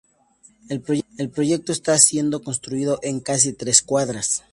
El proyecto está siendo construido en casi tres cuadras.